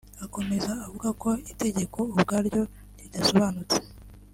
Akomeza avuga ko itegeko ubwaryo ridasobanutse